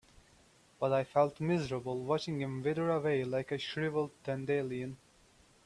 But I felt miserable watching him wither away like a shriveled dandelion.